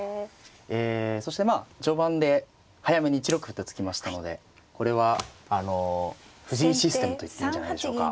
えそしてまあ序盤で早めに１六歩と突きましたのでこれはあの藤井システムと言っていいんじゃないでしょうか。